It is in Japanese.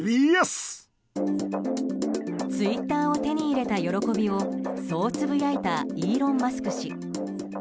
ツイッターを手に入れた喜びをそうつぶやいたイーロン・マスク氏。